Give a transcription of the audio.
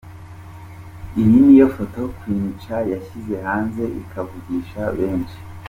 Iyi niyo Foto Queen Cha yashyize hanze ikavugisha benshi.